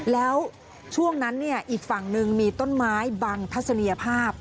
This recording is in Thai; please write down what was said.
แล้วช่วงนั้นอีกฝั่งหนึ่งมีต้นไม้บังทัศนียภาพ